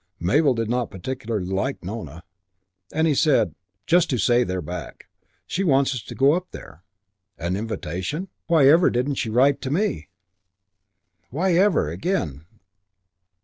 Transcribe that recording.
Mabel did not particularly like Nona. He said, "Just to say they're back. She wants us to go up there." "An invitation? Whyever didn't she write to me?" "Whyever" again!